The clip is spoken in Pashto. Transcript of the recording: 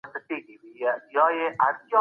تازه مېوې او سبزیجات وکاروئ.